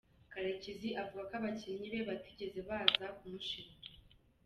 Karekezi avuga ko abakinnyi be batigeze baza kumushinja